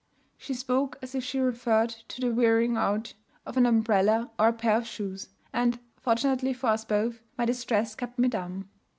She spoke as if she referred to the wearing out of an umbrella or a pair of shoes; and, fortunately for us both, my distress kept me dumb.